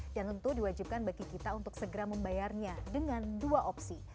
dan tentu diwajibkan bagi kita untuk segera membayarnya dengan dua opsi